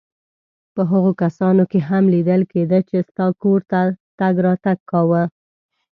په هغو کسانو کې هم لیدل کېده چا ستا کور ته تګ راتګ کاوه.